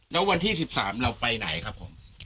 แล้ววันที่๑๓เราไปไหนครับผม